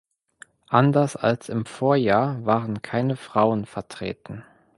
Anders als im Vorjahr waren keine Frauen vertreten.